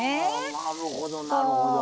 はなるほどなるほど。